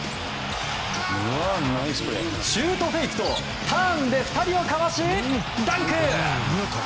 シュートフェイクとターンで２人をかわしダンク！